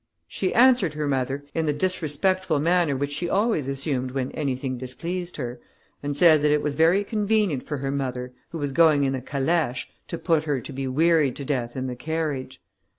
She answered her mother in the disrespectful manner which she always assumed when anything displeased her, and said that it was very convenient for her mother, who was going in the calèche, to put her to be wearied to death in the carriage.